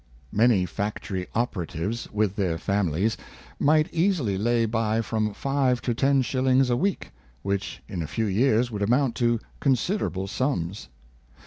Many factory operatives, with their families, might easily lay by from five to ten shillings a week, which in a few years would amount to considerable sums.